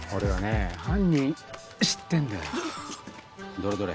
どれどれ？